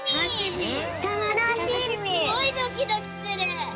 すごいドキドキする。